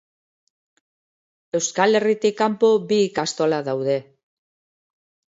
Euskal Herritik kanpo bi ikastola daude.